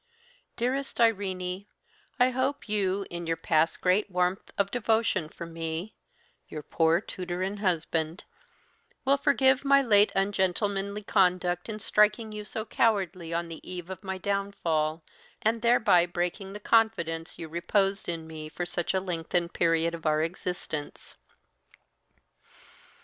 "Dearest Irene, I hope you, in your past great warmth of devotion for me (your poor tutor and husband), will forgive my late ungentlemanly conduct in striking you so cowardly on the eve of my downfall, and thereby breaking the confidence you reposed in me for such a lengthened period of our existence.